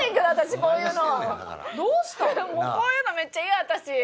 こういうのめっちゃイヤ私。